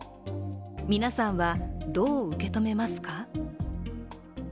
皆さんはどう受け止めますか？